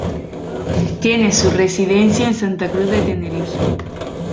Tiene su residencia en Santa Cruz de Tenerife.